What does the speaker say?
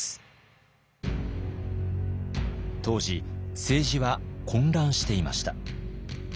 当時政治は混乱していました。